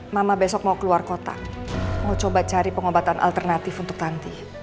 mama besok mau keluar kota mau coba cari pengobatan alternatif untuk tanti